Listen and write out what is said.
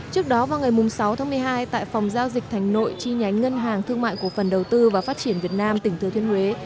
trước đó vào ngày sáu tháng một mươi hai tại phòng giao dịch thành nội chi nhánh ngân hàng thương mại cổ phần đầu tư và phát triển việt nam tỉnh thừa thiên huế